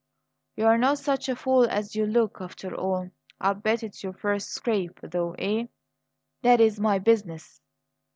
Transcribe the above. "You're not such a fool as you look, after all! I'll bet it's your first scrape, though, eh?" "That is my business.